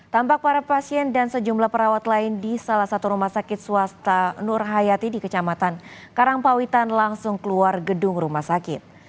tampak para pasien dan sejumlah perawat lain di salah satu rumah sakit swasta nur hayati di kecamatan karangpawitan langsung keluar gedung rumah sakit